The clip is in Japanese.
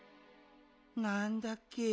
なんだっけ。